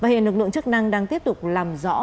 hiện lực lượng chức năng đang tiếp tục làm rõ